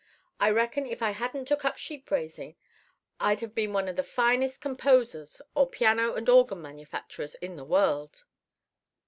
I reckon if I hadn't took up sheep raising I'd have been one of the finest composers or piano and organ manufacturers in the world.